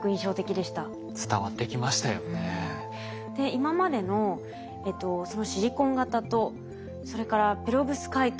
今までのシリコン型とそれからペロブスカイト。